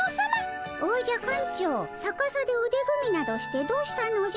おじゃ館長さかさでうで組みなどしてどうしたのじゃ？